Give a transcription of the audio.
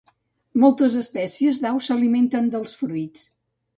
Moltes espècies d'aus s'alimenten dels fruits.